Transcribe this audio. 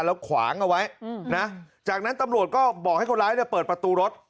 แล้วขวางเอาไว้นะจากนั้นตำรวจก็บอกให้คนร้ายเนี่ยเปิดประตูรถ